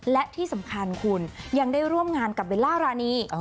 และที่สำคัญคุณยังได้ร่วมงานกับเบลล่ารานี